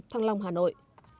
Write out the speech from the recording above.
thăng long hà nội